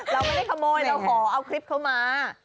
เราไม่ได้ขโมยเราขอเอาคลิปเขามา